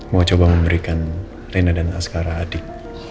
mau coba memberikan rena dan askara adik